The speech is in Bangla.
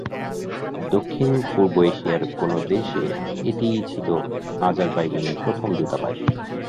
দক্ষিণ-পূর্ব এশিয়ার কোন দেশে, এটিই ছিল আজারবাইজানের প্রথম দূতাবাস।